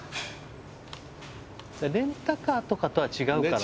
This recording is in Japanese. レンタカーとかとは違うから。